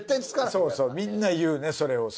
そうそうみんな言うねそれを。